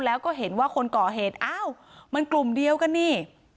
แล้วก็เห็นว่าคนก่อเหตุอ้าวมันกลุ่มเดียวกันนี่